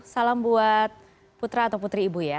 salam buat putra atau putri ibu ya